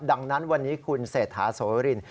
ดังนั้นวันนี้คุณเศรษฐาโสริน